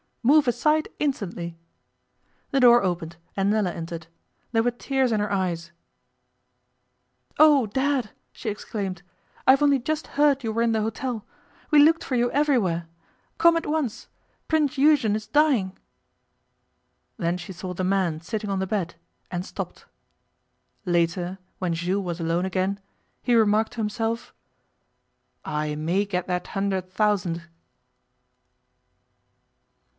'Move aside instantly.' The door opened, and Nella entered. There were tears in her eyes. 'Oh! Dad,' she exclaimed, 'I've only just heard you were in the hotel. We looked for you everywhere. Come at once, Prince Eugen is dying ' Then she saw the man sitting on the bed, and stopped. Later, when Jules was alone again, he remarked to himself, 'I may get that hundred thousand.